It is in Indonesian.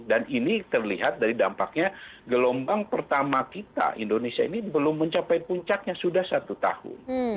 dan ini terlihat dari dampaknya gelombang pertama kita indonesia ini belum mencapai puncaknya sudah satu tahun